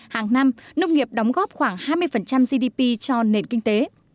hàng năm nông nghiệp đóng góp khoảng hai mươi gdp cho nền kinh tế